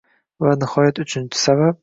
Va nihoyat, uchinchi sabab